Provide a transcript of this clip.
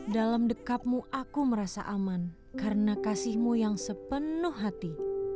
dalam dekapmu aku merasa aman karena kasihmu yang sepenuh hati